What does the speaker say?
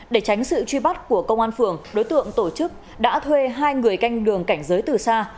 để tránh sự truy bắt của công an phường đối tượng tổ chức đã thuê hai người canh đường cảnh giới từ xa